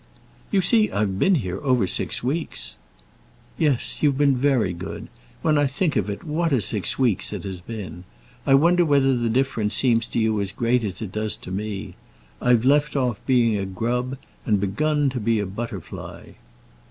"You see, I've been here over six weeks." "Yes; you've been very good. When I think of it, what a six weeks it has been! I wonder whether the difference seems to you as great as it does to me. I've left off being a grub, and begun to be a butterfly."